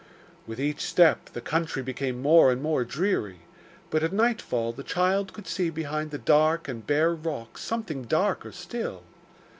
With each step the country became more and more dreary, but at nightfall the child could see behind the dark and bare rocks something darker still.